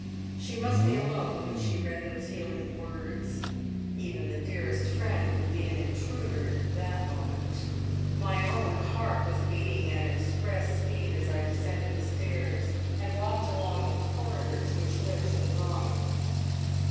She must be alone when she read those healing words; even the dearest friend would be an intruder at that moment! My own heart was beating at express speed as I descended the stairs, and walked along the corridors which led to the drawing room.